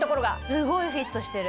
すごいフィットしてる。